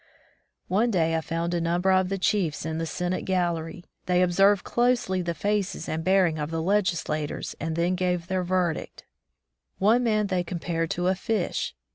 One day, I found a number of the chiefs in the Senate gallery. They observed closely the faces and bearing of the legislators and then gave their verdict. One man they com pared to a fish.